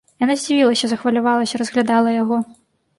Яна здзівілася, захвалявалася, разглядала яго.